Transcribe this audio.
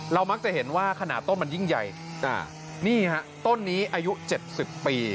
มักจะเห็นว่าขนาดต้นมันยิ่งใหญ่นี่ฮะต้นนี้อายุ๗๐ปี